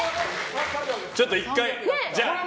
ちょっと１回。